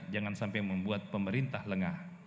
jangan sampai membuat pemerintah lengah